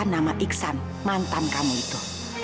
nama iksan mantan kamu itu